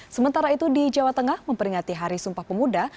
sementara itu di jawa tengah memperingati hari sumpah pemuda